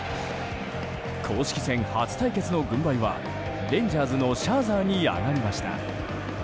公式戦初対決の軍配はレンジャーズのシャーザーに上がりました。